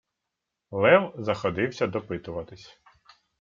Лев заходився допитуватись: